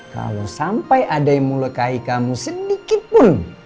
kalau sampai ada yang mulut kaki kamu sedikit pun